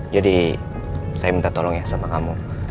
jadi saya minta tolong ya sama kamu